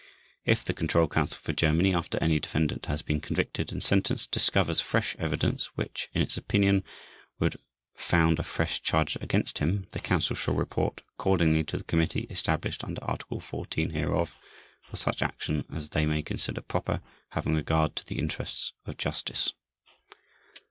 If the Control Council for Germany, after any defendant has been convicted and sentenced, discovers fresh evidence which, in its opinion, would found a fresh charge against him, the Council shall report accordingly to the Committee established under Article 14 hereof, for such action as they may consider proper, having regard to the interests of justice.